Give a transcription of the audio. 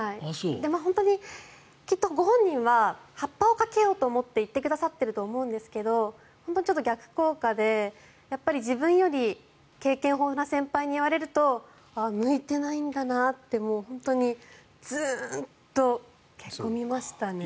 本当にご本人は発破をかけようと思って言ってくださっていると思うんですけど本当に逆効果で自分より経験豊富な先輩に言われるとあ、向いてないんだなって本当にずーんとへこみましたね。